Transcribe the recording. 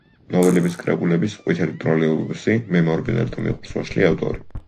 ნოველების კრებულების: „ყვითელი ტროლეიბუსი“, „მე მორბენალი“ და „მიყვარს ვაშლი“ ავტორი.